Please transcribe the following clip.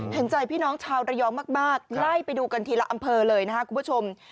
เห็นใจพี่น้องชาวระยองมากไล่ไปดูกันทีละอำเภอเลยนะครับคุณผู้ชม